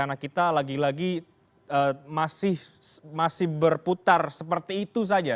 anak kita lagi lagi masih berputar seperti itu saja